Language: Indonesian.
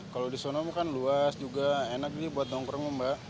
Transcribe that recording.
kalau disana kan luas juga enak nih buat nongkrong mbak